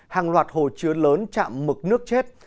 hàng loạt hồ chứa lớn chạm mực nước chết